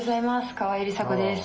川井梨紗子です。